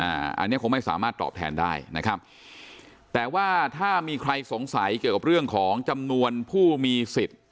อันนี้คงไม่สามารถตอบแทนได้นะครับแต่ว่าถ้ามีใครสงสัยเกี่ยวกับเรื่องของจำนวนผู้มีสิทธิ์